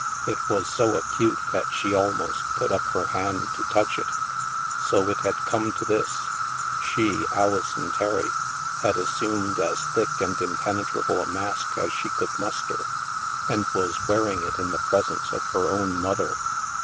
It was so acute that she almost put up her hand to touch it. So it had come to this ! She, Alison Terry, had assumed as thick and impenetrable a mask as she THE MAELSTROM 215 could muster, and was wearing it in the presence of her own mother.